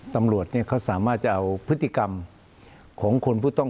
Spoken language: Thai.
ตำรวจเขาสามารถจะเอาพฤติกรรมของคนผู้ต้อง